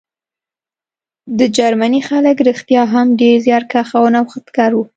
د جرمني خلک رښتیا هم ډېر زیارکښ او نوښتګر وو